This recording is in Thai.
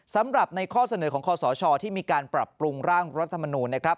สำหรับในข้อเสนอของคอสชที่มีการปรับปรุงร่างรัฐมนูลนะครับ